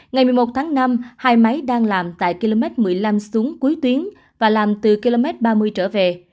ngày một mươi một tháng năm hai máy đang làm tại km một mươi năm xuống cuối tuyến và làm từ km ba mươi trở về